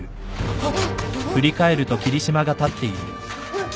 あっ！？